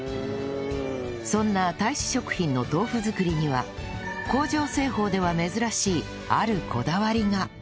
そんな太子食品の豆腐作りには工場製法では珍しいあるこだわりが